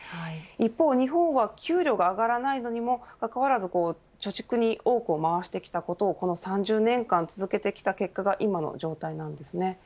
一方、日本は給料が上がらないのにもかかわらず貯蓄に多くをまわしてきたことをこの３０年間続けてきた結果が今の状態です。